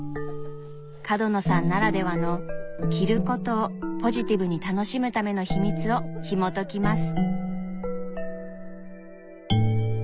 角野さんならではの着ることをポジティブに楽しむための秘密をひもときます。